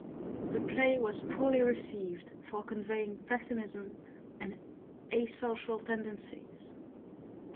The play was poorly received for conveying pessimism and asocial tendencies.